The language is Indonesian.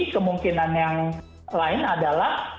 kemungkinan yang lain adalah